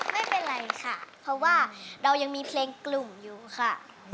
ไม่เป็นไรค่ะเพราะว่าเรายังมีเพลงกลุ่มอยู่ค่ะ